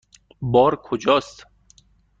بار کجاست؟